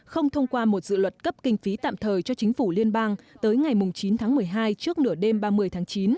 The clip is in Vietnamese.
không thông qua một dự luật cấp kinh phí tạm thời cho chính phủ liên bang tới ngày chín tháng một mươi hai trước nửa đêm ba mươi tháng chín